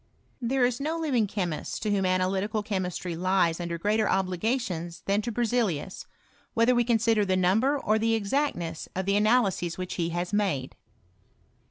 There is no living chemist, to whom analytical chemistry lies under greater obligations than to Ber zelius, whether we consider the number or the ex actness of the analyses which he has made.